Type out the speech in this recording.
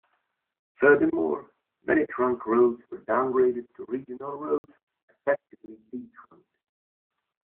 Furthermore, many Trunk Roads were downgraded to Regional roads, effectively 'de-trunked'.